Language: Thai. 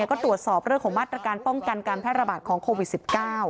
ก็ตรวจสอบเรื่องของมาตรการป้องกันการแพร่ระบาดของโควิด๑๙